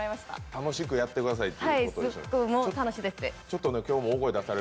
楽しくやってくださいということでしょうかね。